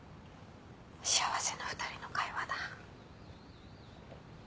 幸せな２人の会話だ。